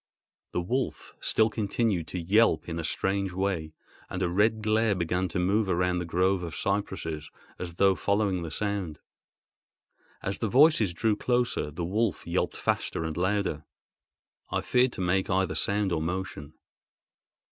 The wolf still continued to yelp in a strange way, and a red glare began to move round the grove of cypresses, as though following the sound. As the voices drew closer, the wolf yelped faster and louder. I feared to make either sound or motion.